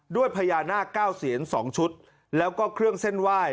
ด้วยพญานาคเก้าเซียน๒ชุดแล้วก็เครื่องเส้นไหว้